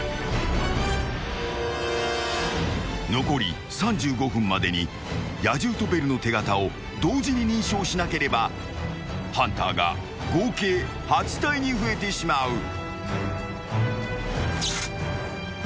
［残り３５分までに野獣とベルの手形を同時に認証しなければハンターが合計８体に増えてしまう］